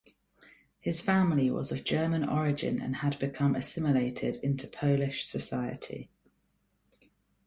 His family was of German origin and had become assimilated into Polish society.